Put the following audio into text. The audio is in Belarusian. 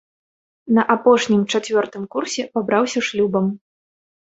На апошнім, чацвёртым, курсе пабраўся шлюбам.